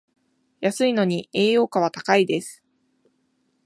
安いのに栄養価は高いです